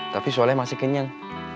tapi soleh masih kenyang